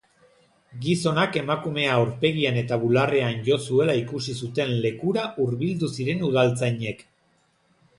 Gizonak emakumea aurpegian eta bularrean jo zuela ikusi zuten lekura hurbildu ziren udaltzainek.